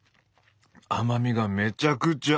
甘みがめちゃくちゃ合う！